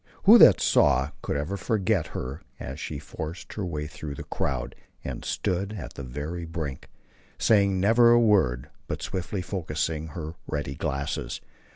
Who that saw could ever forget her as she forced her way through the crowd and stood at the very brink, saying never a word, but swiftly focussing her ready glasses?